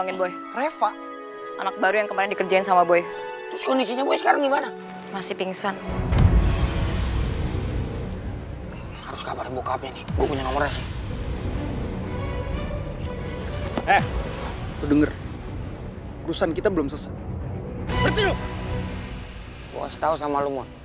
gue masih tau sama lu mo